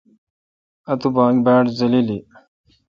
اتو باگ باڑزللی۔